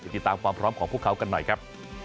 ติดตามความพร้อมของพวกเขากันหน่อยครับ